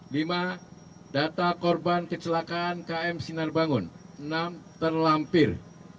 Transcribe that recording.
lima data korban kecelakaan km sinar bangun enam terlampir